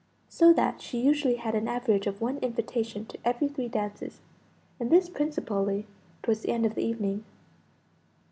So that she usually had an average of one invitation to every three dances; and this principally towards the end of the evening.